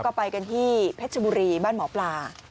ก็ไปกันที่เพชรบุรีบ้านหมอปลา